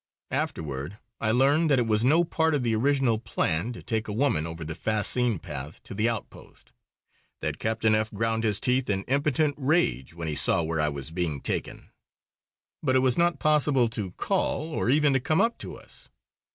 Afterward I learned that it was no part of the original plan to take a woman over the fascine path to the outpost; that Captain F ground his teeth in impotent rage when he saw where I was being taken. But it was not possible to call or even to come up to us.